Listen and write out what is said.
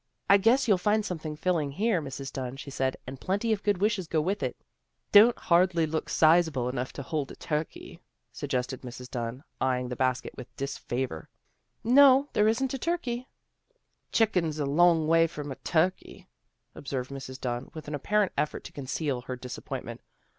" I guess you'll find something filling here, Mrs. Dunn," she said. " And plenty of good wishes go with it." " Don't hardly look sizeable enough to hold a turkey," suggested Mrs. Dunn, eyeing the basket with disfavor. CHRISTMAS CELEBRATIONS 209 " No, there isn't a turkey." " A chicken's a long way from turkey," observed Mrs. Dunn, with an apparent effort to conceal her disappointment.